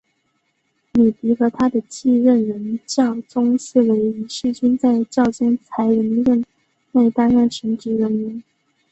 米迪和他的继任人教宗思维一世均在教宗才林任内担任神职人员。